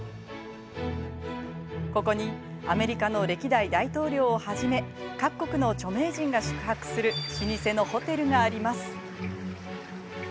ここにアメリカの歴代大統領をはじめ各国の著名人が宿泊する老舗のホテルがあります。